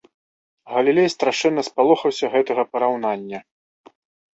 Галілей страшэнна спалохаўся гэтага параўнання.